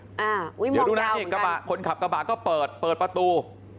อ้าวมองยาวเหมือนกันเดี๋ยวดูหน้านี้กระบะคนขับกระบะก็เปิดประตู